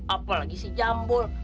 apalagi si jambul